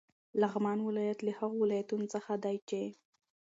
لغمان ولایت له هغو ولایتونو څخه دی چې: